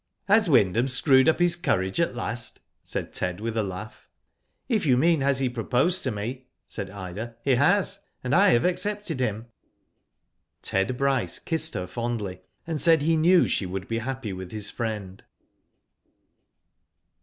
'*Has Wyndham screwed up his courage at last?'* said Ted with a laugh. "If you mean has he proposed to me," said Ida, 'Mie has, and I have accepted him." Ted Bryce kissed her fondly, and said he knew she would be happy with his friend.